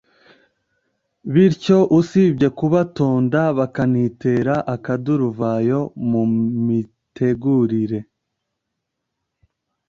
bityo usibye kubatonda bakanitera akaduruvayo mu mitegurire